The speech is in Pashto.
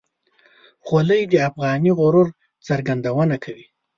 خولۍ د افغاني غرور څرګندونه کوي.